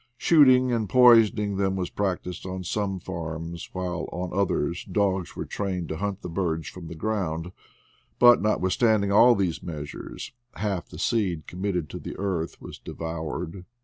Shooting and poisoning them was practised on some farms, while on others dogs were trained to hunt the birds from the ground ; but notwithstanding all these measures, half the seed committed to the earth was devoured.